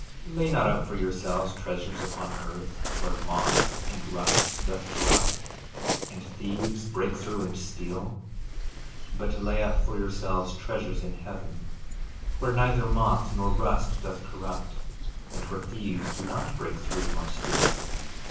13:19 Lay not up for yourselves treasures upon earth, where moth and rust doth corrupt, and thieves break through and steal; 13:20 But lay up for yourselves treasures in heaven, where neither moth nor rust doth corrupt, and where thieves do not break through nor steal.